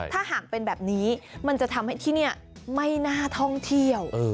ถ้าหากเป็นแบบนี้มันจะทำให้ที่นี่ไม่น่าท่องเที่ยว